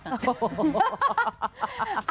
โอ้โห